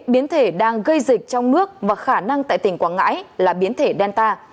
biến thể đang gây dịch trong nước và khả năng tại tỉnh quảng ngãi là biến thể delta